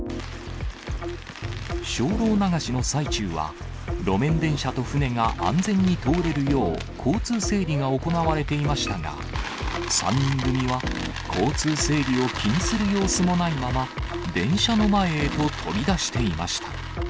精霊流しの最中は、路面電車と船が安全に通れるよう交通整理が行われていましたが、３人組は交通整理を気にする様子もないまま、電車の前へと飛び出していました。